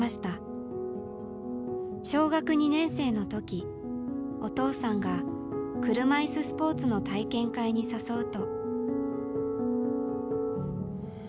小学２年生の時お父さんが車いすスポーツの体験会に誘うと。